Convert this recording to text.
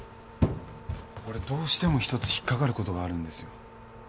俺どうしても１つ引っかかることがあるんですよ。